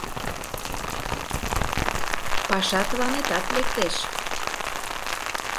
Паша тыланетат лектеш.